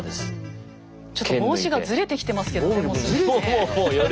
ちょっと帽子がずれてきてますけどねもう既にね。